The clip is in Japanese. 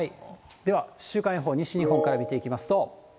では、週間予報、西日本から見ていきますと。